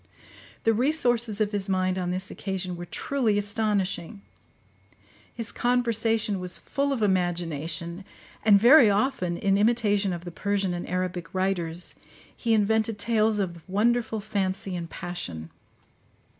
The resources of his mind on this occasion were truly astonishing: his conversation was full of imagination; and very often, in imitation of the Persian and Arabic writers, he invented tales of wonderful fancy and passion.